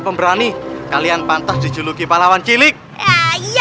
pemberani kalian pantas dijuluki rappal yang hilang abdul gurau iya